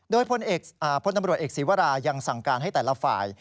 โดยพลตำรวจเอกศีวรายังสั่งการให้แต่ละฝ่าย